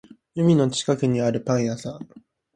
海の近くにあるパン屋さん